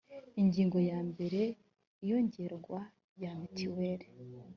ingingo ya mbere iyongerwa rya mitiweri